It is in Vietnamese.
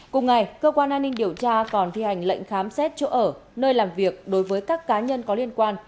cùng ngày cơ quan an ninh điều tra còn thi hành lệnh khám xét chỗ ở nơi làm việc đối với các cá nhân có liên quan